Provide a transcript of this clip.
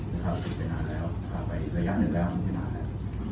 มีความสุขไปนานแล้วถ้าไประยะหนึ่งแล้วมีความสุขไปนานแล้ว